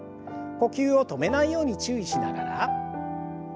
呼吸を止めないように注意しながら。